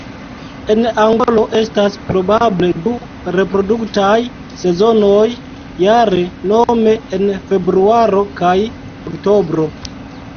En Angolo estas probable du reproduktaj sezonoj jare nome en februaro kaj oktobro.